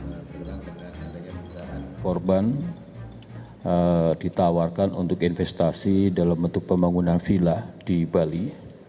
korban ditawarkan untuk investasi dalam bentuk pembangunan villa di bali